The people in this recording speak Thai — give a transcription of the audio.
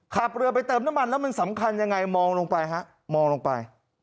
ขับเรือไปเติมน้ำมันแล้วมันสำคัญยังไงมองลงไปฮะมองลงไป